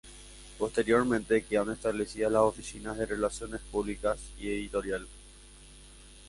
Posteriormente quedan establecidas las Oficinas de Relaciones Públicas y Editorial.